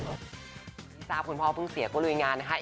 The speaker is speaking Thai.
ลิซาคุณพ่อเพิ่งเสียกว่ารุยงานนะคะ